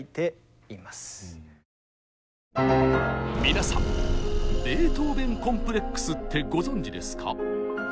皆さん「ベートーベン・コンプレックス」ってご存じですか？